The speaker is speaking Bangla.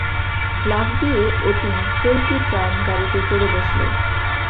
লাফ দিয়ে অতীন চলতি ট্রাম গাড়িতে চড়ে বসল।